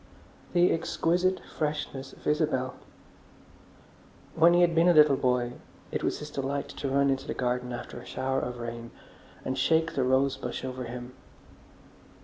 The exquisite freshness of Isabel! When he had been a little boy, it was his delight to run into the garden after a shower of rain and shake the rose bush over him.